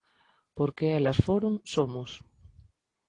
Porque elas foron, somos.